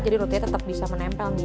jadi rotinya tetap bisa menempel